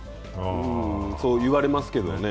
そういわれますけどね。